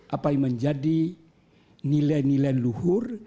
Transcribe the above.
apa yang menjadi nilai nilai luhur